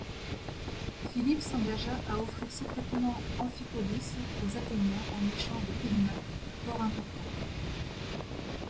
Philippe s'engagea à offrir secrètement Amphipolis aux Athéniens en échange de Pydna, port important.